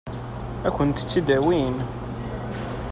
Ad kent-tt-id-awin?